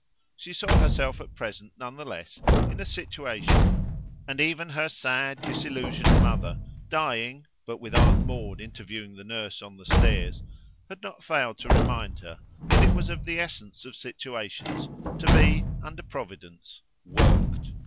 She saw herself at present, none the less, in a situation, and even her sad disillusioned mother, dying, but with Aunt Maud interviewing the nurse on the stairs, had not failed to remind her that it was of the essence of situations to be, under Providence, worked.